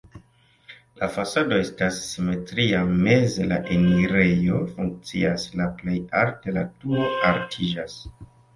La fasado estas simetria, meze la enirejo funkcias, la plej alte la turo altiĝas.